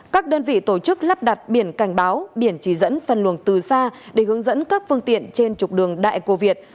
các đơn vị tổ chức lắp đặt biển cảnh báo biển chỉ dẫn phân luồng từ xa để hướng dẫn các phương tiện trên trục đường đại cô việt